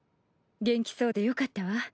元気そうでよかったわ。